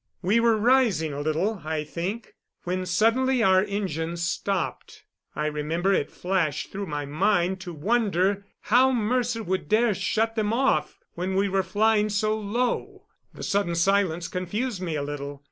We were rising a little, I think, when suddenly our engines stopped. I remember it flashed through my mind to wonder how Mercer would dare shut them off when we were flying so low. The sudden silence confused me a little.